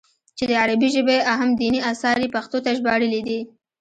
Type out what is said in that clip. چې د عربي ژبې اهم ديني اثار ئې پښتو ته ژباړلي دي